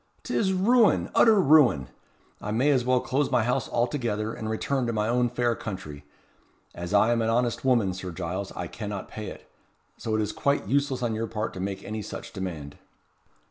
'T is ruin utter ruin! I may as well close my house altogether, and return to my own fair country. As I am an honest woman, Sir Giles, I cannot pay it. So it is quite useless on your part to make any such demand."